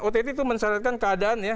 ott itu mensyaratkan keadaan ya